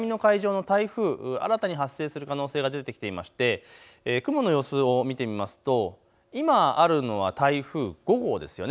南の海上の台風、新たに発生する可能性が出てきていて雲の様子を見てみると今あるのは台風５号です。